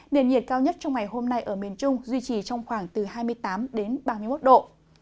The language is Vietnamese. nền nhiệt cao nhất trong ngày hôm nay ở miền trung duy trì trong khoảng từ hai mươi tám đến ba mươi một độ